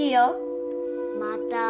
また！